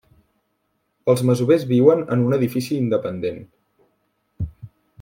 Els masovers viuen en un edifici independent.